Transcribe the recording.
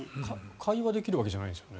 会話できるわけじゃないですよね？